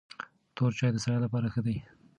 تور چای د ستړیا لپاره ښه دی.